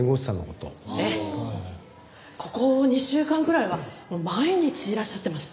ここ２週間くらいは毎日いらっしゃってました。